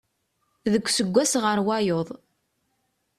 Deg useggas ɣer wayeḍ.